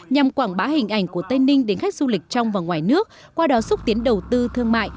nhằm quảng bá hình ảnh của tây ninh đến khách du lịch trong và ngoài nước qua đó xúc tiến đầu tư thương mại